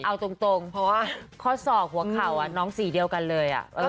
เอาตรงเพราะว่าคอส่อควบเข่าแล้วน้องสีเดียวกันเลย